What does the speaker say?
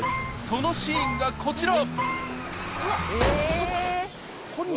そのシーンがこちら。